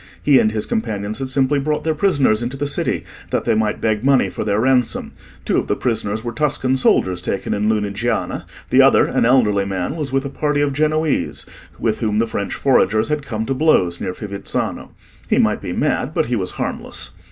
He and his companions had simply brought their prisoners into the city that they might beg money for their ransom: two of the prisoners were Tuscan soldiers taken in Lunigiana; the other, an elderly man, was with a party of Genoese, with whom the French foragers had come to blows near Fivizzano. He might be mad, but he was harmless.